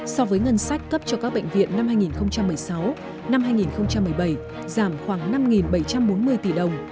so với ngân sách cấp cho các bệnh viện năm hai nghìn một mươi sáu năm hai nghìn một mươi bảy giảm khoảng năm bảy trăm bốn mươi tỷ đồng